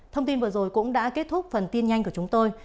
thông tin vừa rồi cũng đã kết thúc phần tin nhanh của chúng tôi